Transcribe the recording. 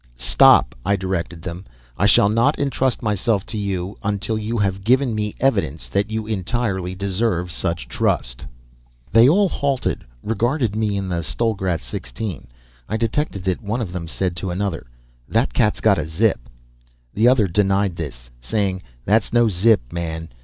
"Stop," I directed them. "I shall not entrust myself to you until you have given me evidence that you entirely deserve such trust." They all halted, regarding me and the Stollgratz 16. I detected that one of them said to another: "That cat's got a zip." The other denied this, saying: "That no zip, man.